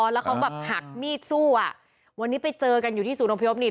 แล้วเขาแบบหักมีดสู้อ่ะวันนี้ไปเจอกันอยู่ที่ศูนย์อพยพนี่